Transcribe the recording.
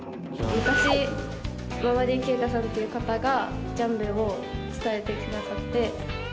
昔ママディ・ケイタさんという方がジャンベを伝えてくださって。